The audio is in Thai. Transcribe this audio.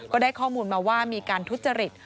ก็ได้ข้อมูลมาว่ามีการทุจริต